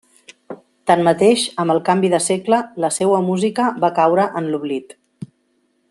Tanmateix, amb el canvi de segle, la seua música va caure en l'oblit.